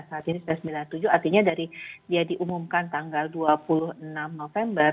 saat ini sudah sembilan puluh tujuh artinya dari dia diumumkan tanggal dua puluh enam november